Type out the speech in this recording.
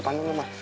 apaan ini mak